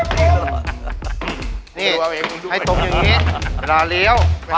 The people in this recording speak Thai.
ติดจ่าย